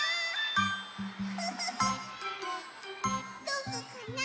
どこかな？